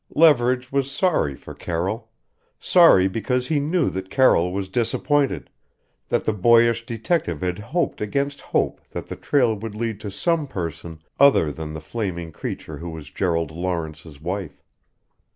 Leverage was sorry for Carroll sorry because he knew that Carroll was disappointed, that the boyish detective had hoped against hope that the trail would lead to some person other than the flaming creature who was Gerald Lawrence's wife.